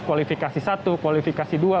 kualifikasi satu kualifikasi dua